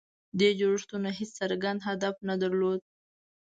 دې جوړښتونو هېڅ څرګند هدف نه درلود.